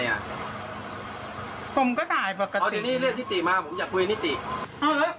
ครับผมก็บอกว่าคุณต้องเป็นไม่สำรวจ